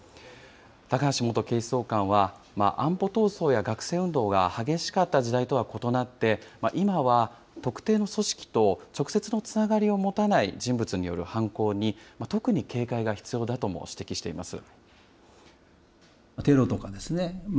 高橋元警視総監は、安保闘争や学生運動が激しかった時代とは異なって、今は特定の組織と直接のつながりを持たない人物による犯行に特に警戒が必要だとも指摘しています。